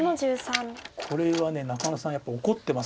これは中野さんやっぱ怒ってます。